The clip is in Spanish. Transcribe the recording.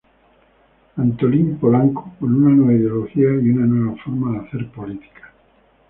Antolín Polanco, con una nueva ideología y una nueva forma de hacer política.